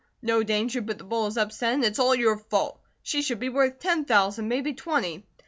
No danger but the bowl is upset, and it's all your fault. She should be worth ten thousand, maybe twenty!"